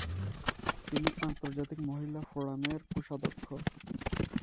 তিনি আন্তর্জাতিক মহিলা ফোরামের কোষাধ্যক্ষ।